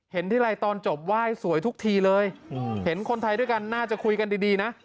ทีไรตอนจบไหว้สวยทุกทีเลยเห็นคนไทยด้วยกันน่าจะคุยกันดีนะ